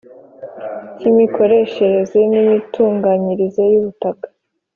Cy imikoreshereze n imitunganyirize y ubutaka